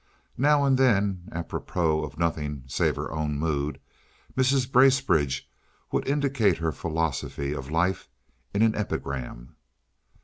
Now and then, apropos of nothing save her own mood, Mrs. Bracebridge would indicate her philosophy of life in an epigram.